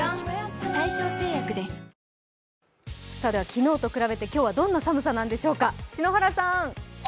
昨日と比べて今日はどんな寒さなんでしょうか。